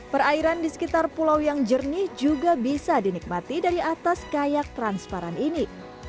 perairan di sekitar pulau yang jernih juga bisa dinikmati dari atas kayak transparan ini